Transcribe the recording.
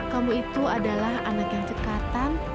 kamu itu adalah anak yang cekatan